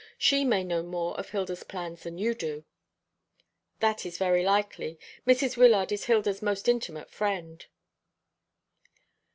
She may know more of Hilda's plans than you do." "That is very likely. Mrs. Wyllard is Hilda's most intimate friend."